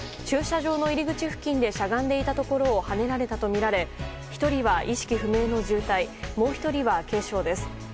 駐車場の入り口付近でしゃがんでいたところをはねられたとみられ１人は意識不明の重体もう１人は軽傷です。